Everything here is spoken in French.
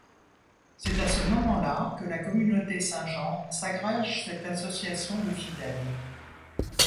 C'est à ce moment-là que la communauté Saint-Jean s'agrège cette association de fidèles.